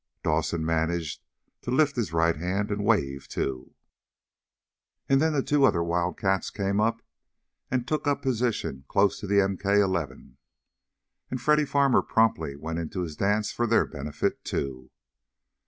Dawson managed to lift his right hand, and wave, too. And then the two other Wildcats came up and took up positions close to the MK 11. And Freddy Farmer promptly went into his dance for their benefit, too.